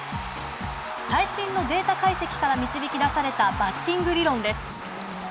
最新のデータ解析から導き出されたバッティング理論です。